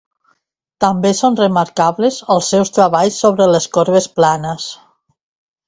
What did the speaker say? També són remarcables els seus treballs sobre les corbes planes.